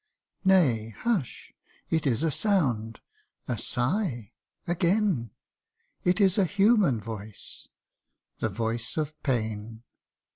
Nay, hush ! it is a sound a sigh again ! It is a human voice the voice of pain.